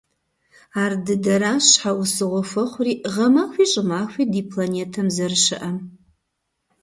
Ардыдэращ щхьэусыгъуэ хуэхъури гъэмахуи щӀымахуи ди планетэм зэрыщыӀэм.